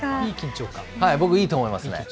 僕、いいと思いますね。